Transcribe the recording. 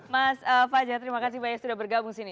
mas fajar terima kasih banyak sudah bergabung di sini